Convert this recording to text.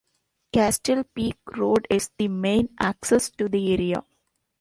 Castle Peak Road is the main access to the area.